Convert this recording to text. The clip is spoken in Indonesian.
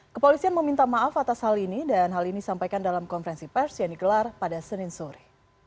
kepolisian meminta maaf atas hal ini dan hal ini disampaikan dalam konferensi pers yang digelar pada senin sore